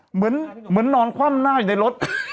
เหมือนนอนคว่ำหน้าอยู่ในรถ